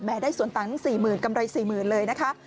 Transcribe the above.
ได้ส่วนตังค์๔๐๐๐กำไร๔๐๐๐เลยนะคะ